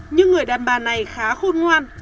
nhưng người đàn bà này khá khôn ngoan